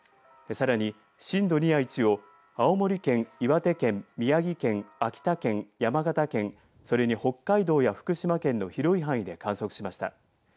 さらに震度２や１を青森県、岩手県、宮城県秋田県、山形県それに北海道や福島県の広い範囲で観測しました。